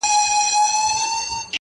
سهار زه ومه بدنام او دی نېکنامه-